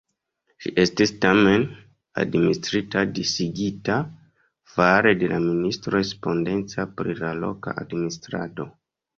Ĝi estis tamen, administrita disigita fare de la ministro respondeca pri la loka administrado.